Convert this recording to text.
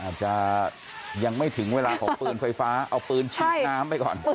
อาจจะยังไม่ถึงเวลาของปืนไฟฟ้าเอาปืนฉีดน้ำไปก่อน